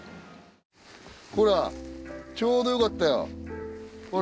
ほらちょうどよかったよほら。